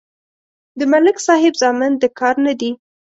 د ملک صاحب زامن د کار نه دي.